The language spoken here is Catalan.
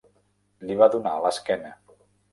Li va donar l'esquena.